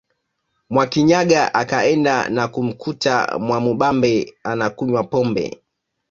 Mwakinyaga akaenda na kumkuta Mwamubambe anakunywa pombe